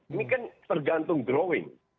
ini kan tergantung growing